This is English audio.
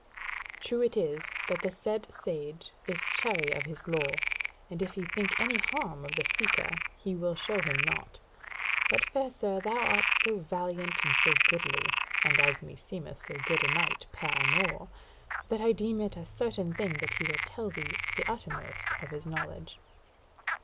True it is that the said sage is chary of his lore, and if he think any harm of the seeker, he will show him naught; but, fair sir, thou art so valiant and so goodly, and as meseemeth so good a knight per amours, that I deem it a certain thing that he will tell thee the uttermost of his knowledge."